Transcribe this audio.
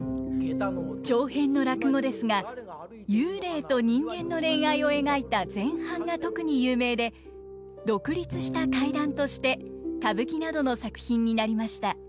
長編の落語ですが幽霊と人間の恋愛を描いた前半が特に有名で独立した怪談として歌舞伎などの作品になりました。